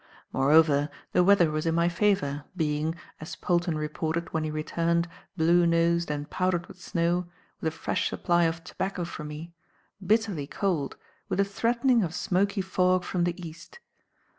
Moreover, the weather was in my favour, being as Polton reported, when he returned, blue nosed and powdered with snow, with a fresh supply of tobacco for me bitterly cold, with a threatening of smoky fog from the east.